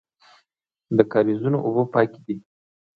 د کاریزونو اوبه پاکې دي